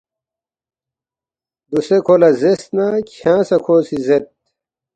دوسے کھو لہ زیرس نہ کھیانگ سہ کھو سی زید